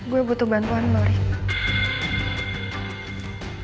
gue butuh bantuan lo rick